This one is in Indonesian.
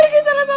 tidak ada apa apa